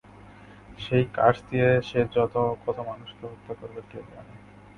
সেই কার্স দিয়ে সে কত মানুষকে হত্যা করবে কে জানে।